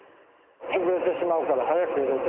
潰れてしまうから早く入れて。